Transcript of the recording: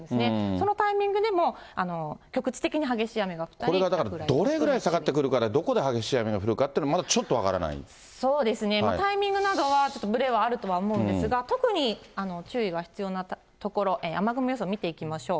そのタイミングで、これがだからどれぐらい下がってくるか、どこで激しい雨が降るかっていうのは、そうですね、タイミングなどはちょっとぶれはあるとは思うんですが、特に注意が必要なところ、雨雲予想を見ていきましょう。